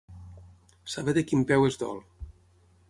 Saber de quin peu es dol.